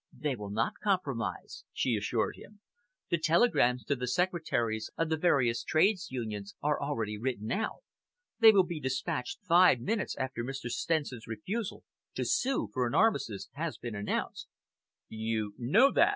"They will not compromise," she assured him. "The telegrams to the secretaries of the various Trades Unions are already written out. They will be despatched five minutes after Mr. Stenson's refusal to sue for an armistice has been announced." "You know that?"